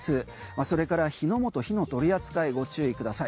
それから火の元、火の取り扱いご注意ください。